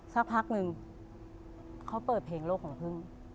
สักพักนึงเขาเปิดเพลงโลกของพึ่ง